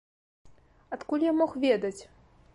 Адкуль я мог ведаць?